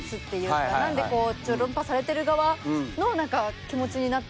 なので論破されてる側の気持ちになって。